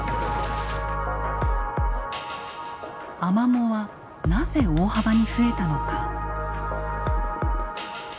アマモはなぜ大幅に増えたのか。